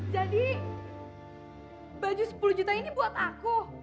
jadi baju sepuluh juta ini buat aku